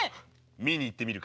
見に行ってみるか？